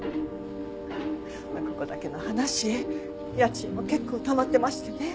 ここだけの話家賃も結構たまってましてね。